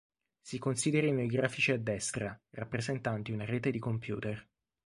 Si considerino i grafici a destra, rappresentanti una rete di computer.